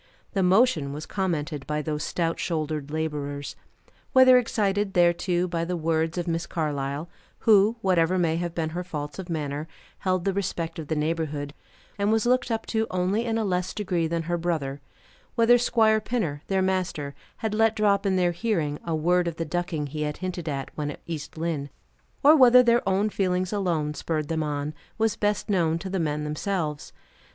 The motion was commented by those stout shouldered laborers. Whether excited thereto by the words of Miss Carlyle who, whatever may have been her faults of manner, held the respect of the neighborhood, and was looked up to only in a less degree than her brother; whether Squire Pinner, their master, had let drop, in their hearing, a word of the ducking he had hinted at, when at East Lynne, or whether their own feelings alone spurred them on, was best known to the men themselves.